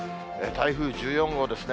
台風１４号ですね。